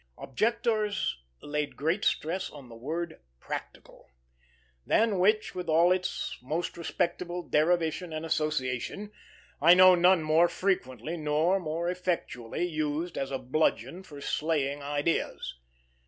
Objectors laid great stress on the word "practical;" than which, with all its most respectable derivation and association, I know none more frequently nor more effectually used as a bludgeon for slaying ideas.